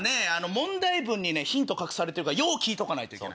問題文にヒント隠されてるからよう聞いとかないといけない。